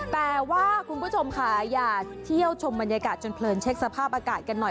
แต่ว่าคุณผู้ชมค่ะอย่าเที่ยวชมบรรยากาศจนเพลินเช็คสภาพอากาศกันหน่อย